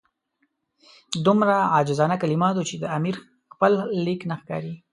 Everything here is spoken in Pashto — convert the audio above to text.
دومره عاجزانه کلمات وو چې د امیر خپل لیک نه ښکاري.